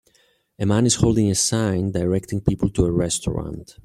A man is holding a sign directing people to a restaurant